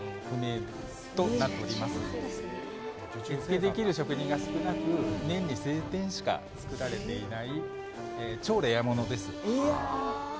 絵付けできる職人が少なく、年に数点しか作られていない超レアものです。